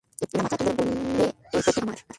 এলা মাথা তুলে বললে এই প্রতিজ্ঞাই আমার।